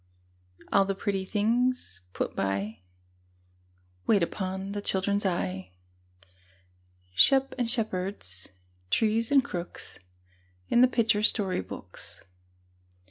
All the pretty things put by, Wait upon the children's eye, Sheep and shepherds, trees and crooks, In the picture story books.